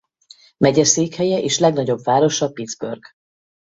Megyeszékhelye és legnagyobb városa Pittsburgh.